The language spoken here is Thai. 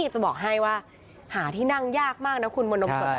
จะบอกให้ว่าหาที่นั่งยากมากนะคุณมนมสด